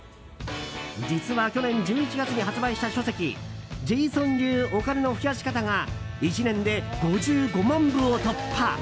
実は、去年１１月に発売した書籍「ジェイソン流お金の増やし方」が、１年で５５万部を突破。